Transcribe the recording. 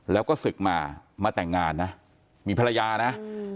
แล้วก็ศึกมามาแต่งงานนะมีภรรยานะ